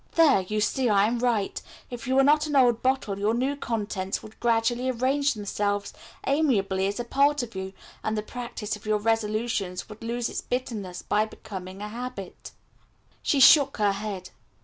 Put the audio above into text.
"There, you see I am right; if you were not an old bottle your new contents would gradually arrange themselves amiably as a part of you, and the practice of your resolutions would lose its bitterness by becoming a habit." She shook her head.